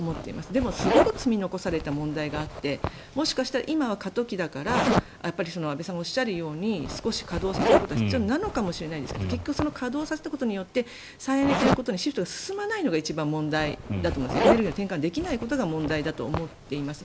でも、すごく積み残された問題があってもしかしたら今は過渡期だから安部さんがおっしゃるように少し稼働させることは必要なのかもしれないですけど結局、稼働させたことによって再エネへのシフトが進まないのが一番問題エネルギーを転換できないことが問題だと思っています。